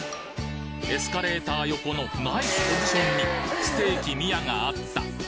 エスカレーター横のナイスポジションにステーキ宮があった！